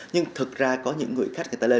nhưng thực ra có những người khách người ta lên